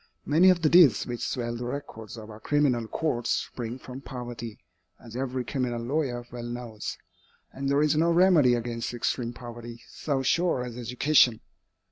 Many of the deeds which swell the records of our criminal courts spring from poverty, as every criminal lawyer well knows, and there is no remedy against extreme poverty so sure as education.